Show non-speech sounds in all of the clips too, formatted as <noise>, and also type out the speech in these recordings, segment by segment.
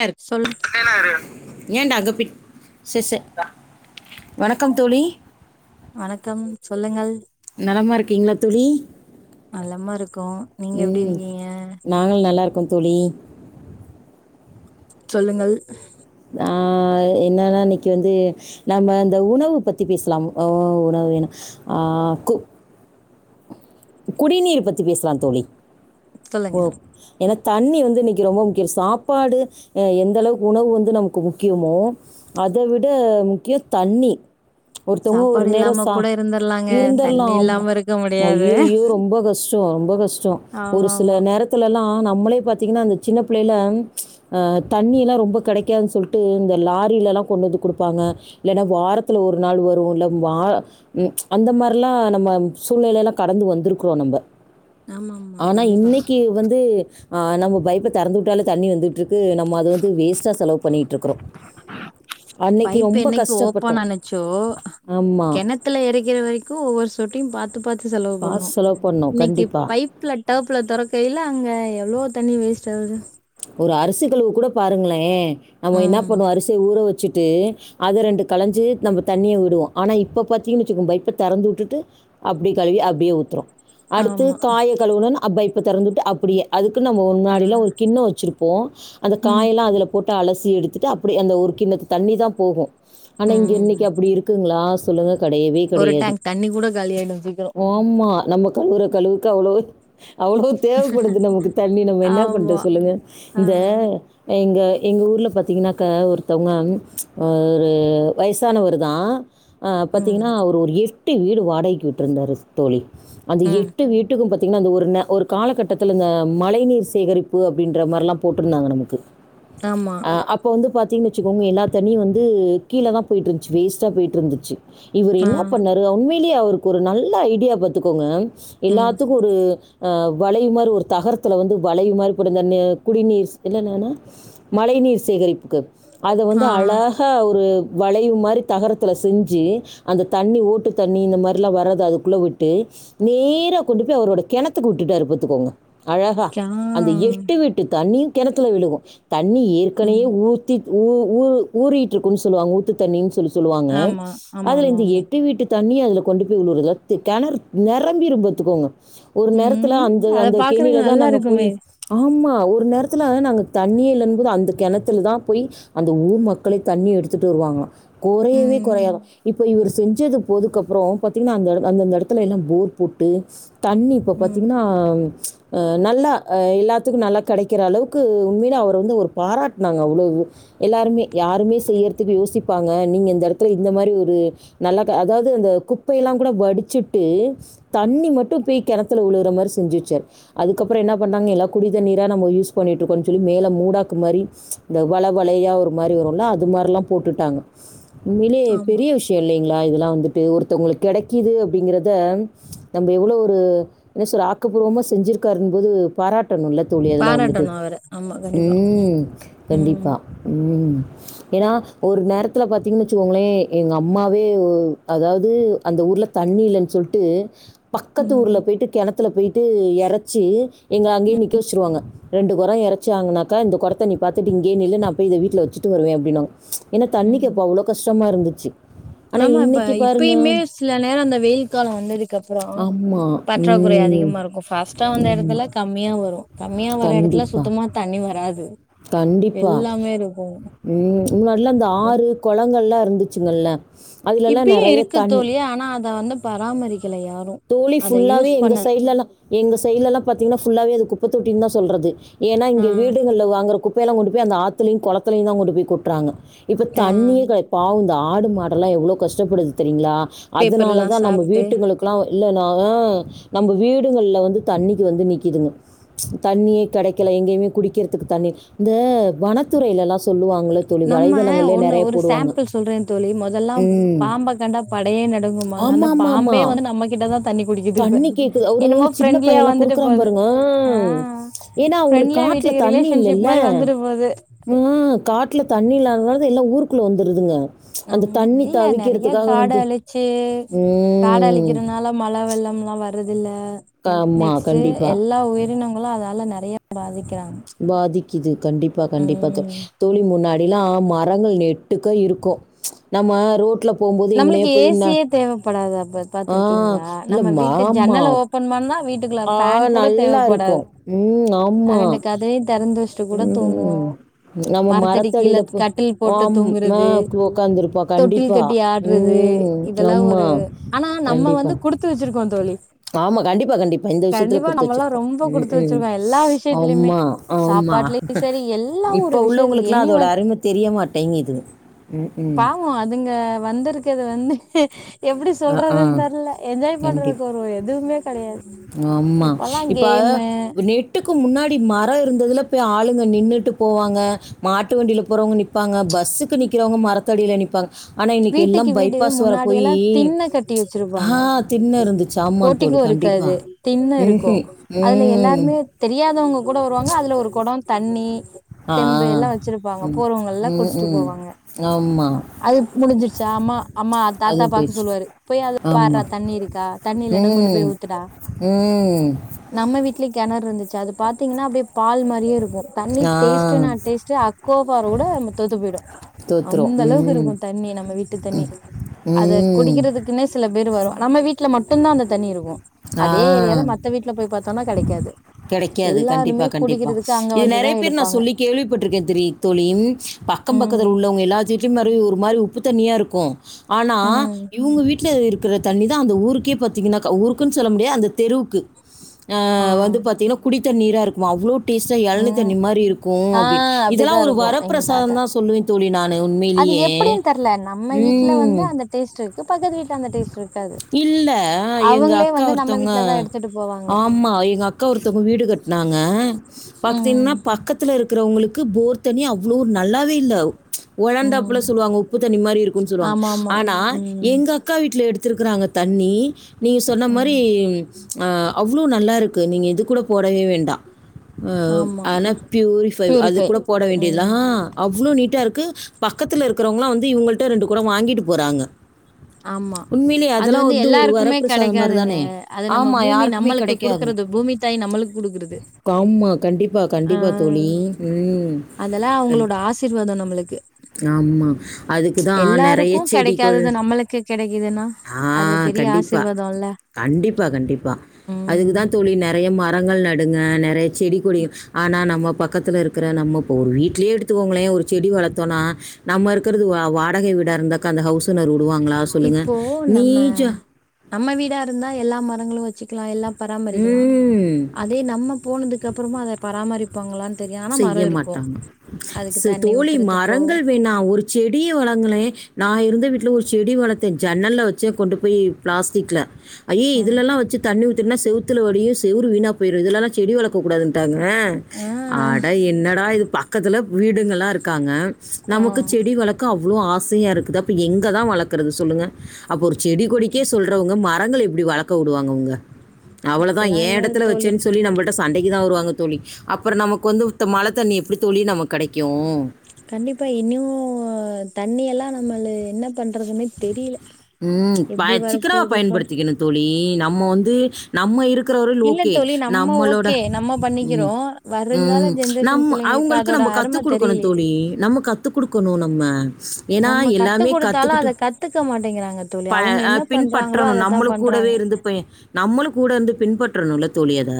னர் சொல் பேனாயிரு வணக்கம் தோழி வணக்கம் சொல்லுங்கள் நலமா இருக்கீங்ளா தோழி நலமா இருக்கோ நீங்க எப்டி இருக்கீங்க நாங்களு நல்லா இருக்கோ தோழி சொல்லுங்கள் நா என்னன்னா இன்னைக்கு வந்து நம்ம இந்த உணவு பத்தி பேசலா அ உணவு அ கு குடிநீர் பத்தி பேசலாம் தோழி ஓ சொல்லுங்க ஏனா தண்ணி வந்து முக்கி ரொம்ப முக்கியோ சாப்பாடு அ எந்த அளவுக்கு உணவு வந்து நமக்கு முக்கியமோ அத விட முக்கியோ தண்ணி ஒருத்தவுங்க ஒரு சாப்பாடு நேரோ இல்லாம சா கூட இருந்துர்லாங்க இருந்தர்லா தண்ணி இல்லாம இருக்க முடியாது ஐயயோ ரொம்ப கஷ்டோ ரொம்ப கஷ்டோ ஒரு ஆமா சில ஆமா நேர த்துலல்லா நம்மளே பாத்தீங்கனா அந்த சின்ன பிள்ளைல ஆ தண்ணி எல்லா ரொம்ப கடைக்காது சொல்ட்டு இந்த லாரிலல்லா கொண்டு வந்து கொடுப்பாங்க ஏனா வாரத்துல ஒரு நாள் வரும் இல்ல வா ம் அந்த மாரிலா நம்ம சூழ்நிலைல்லா கடந்து வந்துருக்குறோ நம்ம ஆமா ஆமா ஆனா கண்டிப்பா இன்னக்கி வந்து அ நம்ம பைப்ப தெறந்து விட்டால தண்ணி வந்துட்ருக்கு நம்ம அத வந்து வேஸ்ட்டா செலவு பண்ணிட்ருக்கறோ அன்னைக்கு பைப் ரொம்ப என்னைக்கு கஷ்ட்டப்பட்டோ ஆமா த்துல இறக்கிற வரைக்கு ஒவ்வொரு சொட்டையும் பாத்து பாத்து செலவு பண்ணோ காசு செலவு பண்ணோம். இன்னைக்கு கண்டிப்பா. பைப் ப்ல டேப்ல தொறக்கையில அங்க எவ்ளோ தண்ணி வேஸ்ட் ஆவுது ஒரு அரிசி கழுவ கூட பாருங்ளே நம்ம என்ன ம் பண்ணுவோ அரிசிய ஊற வச்சுட்டு அத ரெண்டு களஞ்சு நம்ம தண்ணிய விடுவோ ஆனா இப்ப பாத்தீங்கன்னு வச்சுக்கோ பைப்ப தறந்து உட்டுட்டு அப்டி கழுவி அப்டியே ஊத்துறோ அடுத்து ஆமா காய கழுவுனுன் அப்பா இப்ப தொறந்துட்டு அப்படியே அதுக்கு நம்ம ஆ முன்னாடில்லா ஒரு கிண்ணோ வச்சுருப்போ அந்த ம் காயல்லா அதுல போட்டு அலசி எடுத்துட்டு அப்படி அந்த ஒரு கிணத்து தண்ணி தா போகு ஆனா இங்க இன்னைக்கி ம் அப்டி இரு இருக்குங்ளா சொல்லுங்க கடையவே ஒரு கடையாது டேங்க் தண்ணி கூட காலி ஆயிடு சீக்கரோ ஆமா நம்ம கழுவுற கழுவுக்கு அவ்ளோவு அவ்ளோ தேவப்படுது நமக்கு தண்ணி நம்ம என்ன ஆமா பண்றது சொல்லுங்க ஆ இந்த எங்க எங்க ஊர்ல பாத்திங்கன்னாக்க ஒருத்தவுங்க ம் ஒரு வயசானவருதா ஆ ம் பாத்தீங்கன்னா அவரு ஒரு எட்டு வீடு வாடகைக்கு வுட்டுருந்தாரு தோழி அந்த ம் எட்டு வீட் டுக்கு பாத்தீங்கன்னா அந்த ஒரு நே ஒரு காலகட்டத்துல அந்த மழை நீர் சேகரிப் ப்பு அப்டின்ற மார்ல்லா போட்டுருந்தாங்க நமக்கு ஆமா ஆ அப் இப்போ வந்து பாத்தீங்கின் வச்சுக்கோங்க எல்லா தண்ணியு வந்து கீழ தா போய்ட்ருந்துச்சு வேஸ்ட்டா போயிட்ருந்துச்சு இவரு ஆ என்னா பண்ணாரு உண்மையிலியே அவருக்கு ஒரு நல்ல ஐடியா பாத்துக்கோங்க ம் எல்லாத்துக்கு ஒரு ஆ வளைவு மாரி ஒரு தகரத்துல வந்து வளைவு மாரி <unintelligible> குடிநீர்ஸ் என்னென்னனா மழை நீர் சேகரிப்புக்கு அத வந்து ஆ அழ ஹா ஒரு வளைவு மாரி தகரத்துல செஞ்சு அந்த தண்ணி ஓட்டு தண்ணி இந்த மாறில்லா வரத அதுக்குள்ள வுட்டு நேரா கொண்டு போய் அவரோட கெணத்துக்கு உட்டுட்டாரு பாத்துக்கோங்க அழகா ஆ அந்த எட்டு வீட்டு தண்ணியு கெணத்துல விழுகு தண்ணி ஏற்கனையே ம் ஊத் தி ஊ ஊ ஊறிட்ருக்குன்னு சொல்லுவாங்க ஊத்து தண்ணினு சொல்லி சொல்லுவாங்க ஆமா ஆமா அதுல ஆமா இந்த ஆமா எட்டு வீட்டு தண்ணி அதுல கொண்டு போய் <unintelligible> கெணறு நெரம்பீரும் பாத்துக்கோங்க ஒரு நேரத்துல ம் அந்த அத அந்த பாக்குறக்கு கேணில தா நல்லா நாங்க போயி இருக்குமே ஆமா ஒரு நேரத்துல நாங்க தண்ணியே இல்லன்னும்போது அந்த கெணத்துலதா போயி அந்த ஊர் மக்களே தண்ணிய எடுத்துட்டு வருவாங்களா கொறையவே ம் கொறையாதா இப் இப்போ இவரு செஞ்சது போதுக்கப்புறோ பாத்தீங்கன்னா அந்த எடோ அந்தந்த எடத்துல எல்லாம் போரு போட்டு தண்ணி இப்ப ம் பாத்தீங்கன்னா அ நல்லா ஆ எல்லாத்துக்கு நல்லா கெடைக்கிற அளவுக்கு உண்மையிலே அவர வந்து ஒரு பாராட்னாங்க அவ்ளோவு எல்லாருமே யாருமே செய்யிறதுக்கு யோசிப்பாங்க நீங்க இந்த எடத்துல இந்த மாறி ஒரு நல்லாக்க அதாவது அந்த குப்பையெல்லா கூட வடுச்சுட்டு தண்ணி மட்டு பேய் கெணத்துல வுழுவுற மாறி செஞ்சு வச்சாரு அதுக்கப்புறோ என்னா வந்தாங்க எல்லா குடிதண்ணீரா நம்ம யூஸ் பண்ணிட்ருக்கோனு சொல்லி மேல மூடாக்கு மாறி இந்த வல வலையா ஒரு மாறி வருல்ல அது மாறில்லா போட்டுட்டாங்க உண்மையிலே ஆமா பெரிய விஷ் தே இல்லைங்களா இதெல்லா வந்துட்டு ஒருத்தவுங்களுக்கு கெடைக்குது அப்டிங்கிறத நம்ப எவ்ளோ ஒரு என்ன சொற ஆக்கப்பூர்வமா செஞ்சிருக்காருன்போது பாராட் இப்பனுல்ல தோழி அதெல்லா வந்துட்டு பாராட்டணு அவர ஆமா கண்டிப்பா ம் ம் கண்டிப்பா ம் ஏனா ஒரு நேரத்துல பாத்தீங்கன்னு வச்சுக்கோங்களே எங்க அம்மாவே உ அதாவ்து அந்த ஊர்ல தண்ணி இல்லன் சொல்ட்டு பக்கத்து ஊர்ல ம் போயிட்டு கெணத்துல போயிட்டு எறைச்சு எங்க அங்கேயே நிக்க வச்சிருவாங்க ரெண்டு கொரோ எறச்சாங்கனாக்க இந்த கொடத்த நீ பாத்துட்டு இங்கேயே நில்லு நா போய் இத வீட்டுல வச்சுட்டு வருவே அப்டின்னாங்க ஏன்னா தண்ணிக்கு ம் அப்போ அவ்ளோ கஷ்டமா இருந்துச்சு ஆனால் ஆமா இப்ப இன்னைக்கு பாருங்க இப்பையுமே சில நேரோ அந்த வெயில் காலம் வந்ததுக்கு அப்றோ ஆமாம் பற்றாக்குறை ம் அதிகமா இருக்கு ஃபாஸ்ட்டா வந்த ஆமா. எடத்துலக் கம்மியா வரு கம்மியா வர எடத்துல கண்டிப்பா. சுத்தமா தண்ணி வராது கண்டிப்பா. எல்லாமே இருக்கு ம் முன்னாடில்லா அந்த ஆறு கொளங்கள்லா இருந்துச்சுங்கல்ல அதுலலாம் இப்பையு நெறைய இருக்கு தண்ணி தோழி ஆனா அத வந்து பராமரிக்கல யாரு தோழி அத ஃபுல்லாவே யூஸ் எங்க பண்ணல சைடுலெல்லா எங்க சைடுலெல்லா பாத்தீங்கன்னா ஃபுல்லாவே அது குப்பைத்தொட்டின்தா சொல்றது ஏன்னா ஆ இங்கே வீடுகள்ல வாங்குற குப்பையெல்லா கொண்டு போய் அந்த ஆத்துலையு கொளத்தலையுந்தா கொண்டு போய் கொட்றாங்க இப்ப ஆ தண்ணியே க பாவு இந்த ஆடு மாடல்லா எவ்ளோ கஷ்டப்படுது தெரியுங்களா பேப்பர் அதனால எல்லா தா நம்ம சாப்ட்டு வீட்டுகளுக்கு நா இல்லனா நம்ம வீடுகள்ல வந்து தண்ணிக்கு வந்து நிக்கிதுங்க தண்ணியே கெடைக்கல எங்கேயுமே குடிக்கிறதுக்கு தண்ணி இந்த வனத்துறையில எல்லாஸ் நம்ம ஒன்னு ஒரு போடுவாங்க சேம்புள் சொல்றே தோழி மொதல்லா ம் பாம்ப கண்டா படையே நடுங்கும்பாங்க அந்த ஆமாம் ஆமாம் பாம்பே ஆமாம் வந்து நம்மகிட் கிட்ட தான் தண்ணி குடிக்குது இப்ப தண்ணி கேக்குது. அவரு என்னமோ சின்ன ஃபிரெண்ட்லியா பையன்லாம் வந்துட்டு குடுக்குறான் போகுது பாருங்க. ஆ ம். ஏன்னா அவங்களுக்கு ஃப்ரெண்ட்லியா காட்டுல வீட்டுக்கு தண்ணி ரிலேஷன்ஷிப் இல்லல்ல. மாதிரி வந்துட்டு போகுது ம் காட்ல தண்ணி இல்லாதனாலாதா எல்லாம் ஊருக்குள்ள வந்துடுதுங்க. ஆம்மா இல்ல நெறைய காடு அழிச்சு காடு ம். அழிக்கிறதுனால மழை வெள்ளம் எல்லாம் வரது இல்ல ஆமா. நெக்ஸ்ட்டு கண்டிப்பா. எல்லா உயிரினங்களும் அதால நெ நெறயா பாதிக்கிறாங்க பாதிக்குது கண்டிப்பா கண்டிப்பா ம் தோழி முன்னாடிலாம் மரங்கள் நெட்டுக்க இருக்கும் நம்ம ரோட்ல போம்போது எங்கனயே நம்மளுக்கு போய் ந ஏசியே தேவைப்படாத அப்ப ஆ பாத்துருக்கீங்களா இல்ல நம்ம வீட்டு ஆமா. ஜன்னல ஓ வந்தா வீட்டுக்குள்ள ஆ ஃபேன் கூட நல்லா தேவைப்படாது இருக்கும். ம். அ ஆமா. ரெண்டு கதவயும் திறந்து வச் கூட ம் தூங்குவோம் நம்ம மரத்தடி கீழ மரத்தடியில போ கட்டில் போட்டு ஆம் ஆ தூங்குறது உக்காந்துருப்பா தொட்டில் கண்டிப்பா கட்டி ஆ இதுவே ம் இதெல்லாம் ஆமா ஒரு ஆனா நம்ம கண்டிப்பா வந்து குடுத்து வச்சிருக்கோம் தோழி ஆமா கண்டிப்பா கண்டிப்பா இந்த விஷயத்துல கண்டிப்பா குடுத்து நம்மல்லா வச்சிருக்கோம் ரொம்ப ம் குடுத்து ம் வச்சிருக்கோ எல்லா விஷயத்திலயுமே ஆமா ஆமா சாப்பாட்லயு சரி எல்லா ஒரு இப்ப விஷயத்துல உள்ளவங்களுக்கெல்லாம் அதோட எனிவன் அருமை தெரியமாட்டேங்குது உ ம் இப்போ அதுங்க வந்ருக்கது வந்து எப்டி அ ஆ சொல்றதுன்னு தெர்ல என்ஜாய் பண்றதுக்கு கண்டிப் ஒரு எதுவுமே கெடையாது. இப்பல்லாம் கேமு வீட்டுக்கு முன்னாடி மரோ இருந்ததுல போய் ஆளுங்க நின்னுட்டு போவாங்க. மாட்டு வண்டில போறவங்க நிப்பாங்க பஸ்ஸுக்கு நிக்கிறவங்க மரத்தடில நிப்பாங்க. ஆனா இன்னைக்கு வீட்டுக்கு எல்லாம் வீடு பைபாஸ் வர முன்னாடி போயி எல்லா திண்ண கட்டி ஆ வச்சிருப்பாங்க தின்ன இருந்துச்சு ஆமா தோழி போட்டிக்கோ கண்டிப்பா இருக்காது திண்ண இருக்கு ம் அதுல எல்லாருமே தெரியாதவங்க கூட வருவாங்க அதுல ஒரு கொடம் தண்ணி ஆ. செம்பு எல்லாம் வச்சிருப்பாங்க ம். போர்வங்கள் எல்லாம் குடிச்சுட்டு ம்ஹ்ம். போவாங்க ஆமா. அது முடிஞ்சிருச்சா அம்மா அம்மா தாத்தா அதுவும் பாக்க போயிருச்சு. சொல்லுவாரு போய் அது ஆமா. பாடுறா தண்ணி இருக்கா தண்ணி இல்லைன்னா கொண்டு போய் ம். <unintelligible> ம் நம்ம வீட்லி கெணறு இருந்துச்சு அது பாத்தீங்கன்னா அப்டியே பால் மாரியே இருக்கு தண்ணி ஆ. டேஸ்ட்டுனா நான் டேஸ்ட்ட் அக்கோப்பார வூட நம்ம தோத்து போயிடு தோத்துரும். அந்த அளவுக்கு ம். இருக்கும். தண்ணி நம்ம வீட்டு தண்ணி அத ம். குடிக்கிறது இன்று சில பேர் வரும் நம்ம வீட்ல மட்டும் தான் அந்த தண்ணி இருக்கும் ஆ அதே ஏரியால மத்த வீட் உள்ள போய் பாத்தோனா கெடைக்காது. கெடைக்காது கண்டிப்பா எல்லாருமே கண்டிப்பா குடிக்கிறதுக்கு அங்க இது வந்துதா நெறைய பேர் நான் எடுப்பாங்க சொல்லி கேள்விப்பட்ருக்கேன் தெரியு தோழி ப அக்கம் ம் பக்கத்தில் உள்ளவங்க எல்லா வீட்லயும் ஒரு மாரி உப்பு தண்ணியா இருக்கும் ஆனா ம் இவங்க வீட்டு <unintelligible> இருக்கிற தண்ணி தான் அந்த ஊருக்கே பாத்தீங்கன்னாக ஊருக்குன்னு சொல்ல முடியாது அந்த தெருவுக்கு ஆ <unintelligible> வந்து பாத்தீன்னா குடித்த தண்ணீரா இருக்குமா அவ்ளோ டேஸ்ட்டா எழனி ம் தண்ணி மாரி இருக்கும் ஆ அப்டினு அப்டிதா இதெல்லாம் ஒரு இருக்கு எங்க வரப்பிரசாதம் தாத்தா தான் சொல்லுவேன் தோழி நான் உண்மைய அது எப்டின்னு தெர்ல நம்ம வீட்ல வந்து அந்த டேஸ்ட் இருக்கு பக்கத்து வீட்ல அந்த டேஸ்ட்ருக்கு க்காது இல்ல, எங்க அவங்ளே அக்கா வந்து நம்ம ஒருத்தவங்க வீட்லதான் எடுத்துட்டு போவாங்க ஆமா எங்க அக்கா ஒருத்தவங்க வீடு கட்னாங்க ம் பாத்தீங்கன்னா பக்கத்து த்துல இருக்கிறவங்களுக்கு போர் தண்ணி அவ்ளோ நல்லாவே இல்ல உழர்ந்தாப்புல ம் சொல்லுவாங்க உப்பு தண்ணி மாரி இருக்குன்னு சொல்லுவாங்க ஆமா ஆமா ஆனா ம் எங்க அக்கா வீட்ல எடுத்துருக்கறாங்க தண்ணி நீங்க சொன்ன மாரி ம் ஆ அவ்ளோ நல்லாயிருக்கு நீங்க இது கூட போடவே வேண்டாம் ஆமா ஆனா பியூரிஃபை அது கூட போட ம் வேண்டியதுதாம் அவ்ளோ நீட்டாருக்கு பக்கத்துல இருக்கிறவங்கலாம் வந்து இவங்கள்ட்ட ரெண்டு கொடம் வாங்கிட்டு போறாங்க ஆமா உண்மையிலே அது அதெல்லாம் வந்து ஒரு எல்லாருக்குமே வரப்பிரசாதம் மாதிரி கெடைக்காதுங்க தானே அது நம்ம ஆமாம் பூமி யாருக்குமே நம்மளுக்கு குடுக்குறது பூமி தாய் நம்மளுக்கு குடுக்குறது ஆம்மா கண்டிப்பா ஆ கண்டிப்பா தோழி ம் அதெல்லாம் அவங்களோட ஆசீர்வாதம் நம்மளுக்கு. ஆமா அதுக்குதா நெறைய எல்லாருக்கும் செடிகொள் கெடைக்காதது நம்மளுக்கு கெடைக்குதுன்னா, ஆ அது பெரிய கண்டிப்பா ஆசீர்வாதம்ல்ல. கண்டிப்பா கண்டிப்பா ம். அதுக்குதா தோழி நெறைய மரங்கள் நடுங்க நெறைய செடி கொடி ஆனா நம்ம பக்கத்துல இருக்கற நம்ம இப்ப ஒரு வீட்லேயே எடுத்துகோங்களேன் ஒரு செடி வளர்த்தோன்னா நம்ம இருக்கறது வா வாடகை வீடா இருந்தாக்கா அந்த ஹவுஸ்ஓனர் உடுவாங்களா சொல்லுங்க இப்போ நம்ம நம்ம வீடா இருந்தா எல்லா மரங்களு வச்சுக்கலா எல்லா பராமரிக்கலா ம் அதே நம்ம போனதுக்கு அப்புறமு அத பராமரிப் இருப்பாங்களானு தெரியாம செய்ய மாட்டாங்க தோழி ஊத்துறதுக்கோ, மரங்கள் வேணா ஒரு செடிய வளங்களே நா இருந்த வீட்ல ஒரு செடி வளத்தே ஜன்னல்ல வச்சே கொண்டு போயி ப்ளாஸ்டிக்ல அய்ய அ இதுலல்லா வச்சு தண்ணி ஊத்துன்னா செவுத்துல வடியு செவுரு வீணா போயிரு இதுலெல்லா செடி வளக்கக்கூடாதுன்ட்டாங்க ஆ அட என்னடா இது பக்கத்துல வீடுங்கெல்லா இருக்காங்க ஆ நமக்கு செடி வளக் க்கு அவ்ளோ ஆசையா இருக்குது அப்ப எங்கதா வளக்கறது சொல்லுங்க அப்ப ஒரு செடி கொடிக்கே சொல்றவங்க மர மரங்கள் எப்டி வளக்க விடுவாங்க அவுங்க அவ்ளோதா அப்படிலாம் ஏ இல்ல எடத்துல தோழி. வச்சேன்னு சொல்லி நம்ப சண்டைக்கு தா வருவங்க தோழி அப்புற நமக் வந்து ஊத்த மழ தண்ணி எப்படி தோழி நமக் கண்டிப்பா இன்னியு தண்ணி எல்லா நம்மளு என்ன பண்றதுன்னே தெரியில்ல ம் ப எப்படி சிக்கனமாக வரப்போது பண் பயன்படுத்திக்கணும் தோழி நம்ம வந்து நம்ம இருக்கறவரையில் இல்ல ஓகே தோழி நம்ம நம்மளோட ஓகே நம்ம ம் பண்ணிக்கிறோ ம் வருங்கால நம் ஜென்ரேஷன் புள்ளைங்களுக்கு அவ்ங்களுக் க்கு அதோட நம்போ கத்து அரும குடுக்கணும் தெரியலையே தோழி நம்ம கத்துக் குடுக்கணு நம்ம ஏன்னா நம்ம கத்து எல்லாமே குடுத்தாலு கத்துக்கிட் அத கத்துக்க மாட்டேங்கிறாங்க தோழி ப் அவங்க அ என்ன பண்றாங்களோ பின்பற்றணு அததா நம்மளு கூடவே பண்றாங்க இருந்து நம்மளு கூட இருந்து பின்பற்றணுல்ல தோழி அத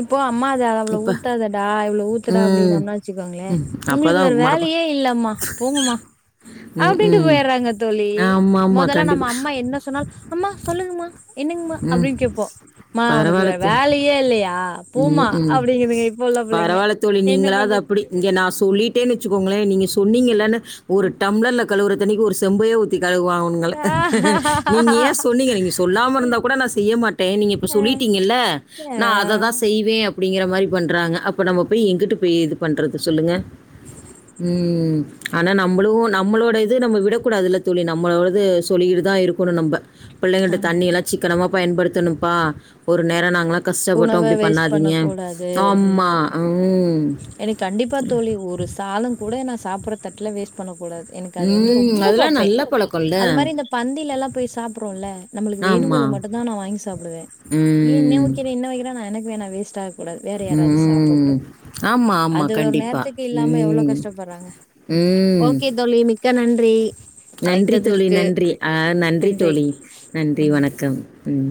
இப்போ அம்மா அத அவ்வளவு ஊத்தாதடா இவ்வளவு ஊத்துடா ம் அப்படின்னம்ன வச்சுக்கோங்களே ம் அப்போ உங்களுக் வேற தான் மடப்பா வேலையே இல்லம்மா போங்கமா ம் அப்டின்ட்டு ம் போய்யறாங்க தோழி ஏ ஆமா ஆமா மொதல்ல கண்டிப்பா நம்ம அம்மா என்ன சொன்னால் அம்மா சொல்லுங்மா என்னங்மா ம் அப்டின் கேப்போ மா உனக்கு பரவால்ல வேற தோழி வேலையே இல்லையா போமா ம் ம் அப்டிங்குதுங்க இப்ப உள்ள புள்ளைங்க பரவால்ல தோழி என்ன நீங்களா த பண்றது ப்படி இங்க நா சொல்லிட்டேன் வச்சுக்கோங்களே நீங்க சொன்னீங்கலேன்னு ஒரு டம்ளர்ல கழுவுறத்தண்ணிக்கு ஒரு செம்பைய ஊத்தி கழுவாங்கல அ நீங்க ஏ சொன்னீங்க நீங்க சொல்லாம இருந்தா கூட நா செய்ய மாட்டே நீங்க இப்ப ஆ சொல்லிட்டீங்கல்ல நா அத தா செய்வே அப்படிங்கிற மாரி பண்றாங்க அப்போ நம்ம போய் எங்க்கிட்டு போய் இது பண்றது சொல்லுங்க ம் ஆனா நம்மளு நம்மளோட இது நம்ம விடக்கூடாதுல தோழி நம்மளோடது சொல்கிட்டு தா இருக்கணு நம்ப பிள்ளைங்கள்ட்ட ஆமா தண்ணி எல்லா சிக்கனமா பயன்படுத்தணும்ப்பா ஒரு நேர நாங்களா கஷ்டப்பட்டோ உணவ அப்டி வேஸ்ட் பண்ண பண்ணாதீங்க கூடாது ஆமா உம் எனக்கு கண்டிப்பா தோழி ஒரு சாதோங்கூட நா சாப்டுற தட்ல வேஸ்ட் பண்ண கூடாது எனக்கு அது வந்து ம். ரொம்ப அதெல்லாம் பாப்பே நல்ல பழக்கம்ல்ல. அது மாதிரி இந்த பந்தில எல்லா போய் சாப்புற்றோல்ல நம்மளுக் ஆமா. வேணுங்கற மட்டுந்தா நா வாங் சாப்டுவே ஏ இன்னு ம். வைக்கிறேன் இன்னு வைக்கிறனா நா என்னைக்குமே நா வேஸ்ட்டா எனக் வேற யாராவது சாப்புட்டு ம். ஆமா, ஆமா. அது ஒரு கண்டிப்பா. நேர்த்துக்கு இல்லாம எவ்ளோ ம். கஷ்டப்பற்றாங்க ம். ஓகே தோழி மி மிக்க நன்றி நன்றி தோழி அழைத்ததிற்கு நன்றி ஆ நன்றி தோழி நன்றி ம் வணக்கம் ம்